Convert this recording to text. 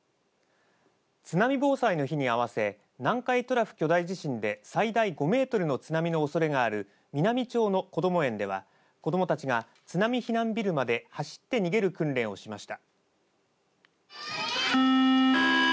津波防災の日に合わせ南海トラフ巨大地震で最大５メートルの津波のおそれがある美波町のこども園では子どもたちが津波避難ビルまで走って逃げる訓練をしました。